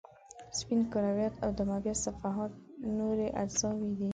سپین کرویات او دمویه صفحات نورې اجزاوې دي.